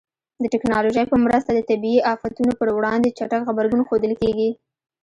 د ټکنالوژۍ په مرسته د طبیعي آفاتونو پر وړاندې چټک غبرګون ښودل کېږي.